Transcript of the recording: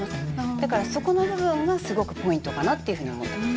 だからそこの部分がすごくポイントかなっていうふうに思ってます。